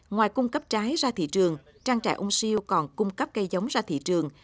ngoài cung cấp trái ra thị trường trang trại ung siêu còn cung cấp cây giống ra thị trường